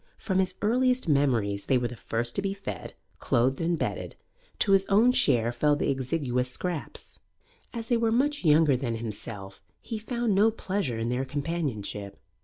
From his earliest memories they were the first to be fed, clothed and bedded; to his own share fell the exiguous scraps. As they were much younger than himself, he found no pleasure in their companionship.